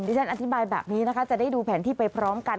ที่ฉันอธิบายแบบนี้นะคะจะได้ดูแผนที่ไปพร้อมกัน